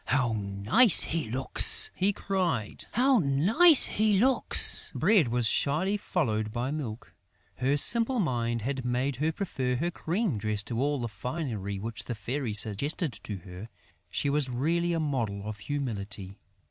"How nice he looks!" he cried. "How nice he looks!" Bread was shyly followed by Milk. Her simple mind had made her prefer her cream dress to all the finery which the Fairy suggested to her. She was really a model of humility.